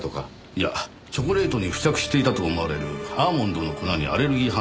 いやチョコレートに付着していたと思われるアーモンドの粉にアレルギー反応を起こし